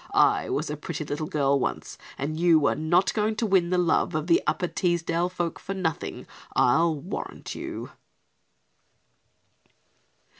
I was a pretty little girl once and you are not going to win the love of Upper Teesdale folk for nothing, I'll warrant you."